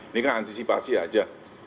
ini kan antisipasi aja